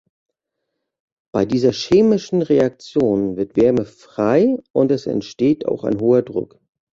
Bei dieser chemischen Reaktion wird Wärme frei und es entsteht auch ein hoher Druck.